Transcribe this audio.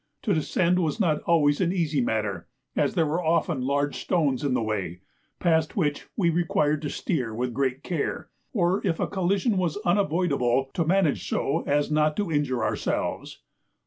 To descend was not always an easy matter, as there were often large stones in the way, past which we required to steer with great care, or if a collision was unavoidable, to manage so as not to injure ourselves.